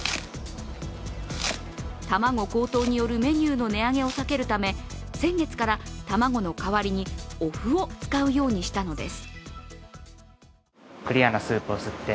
卵高騰によるメニューの値上げを避けるため先月から卵の変わりにおふを使うようにしたのです。